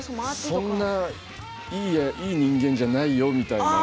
そんないい人間じゃないよみたいな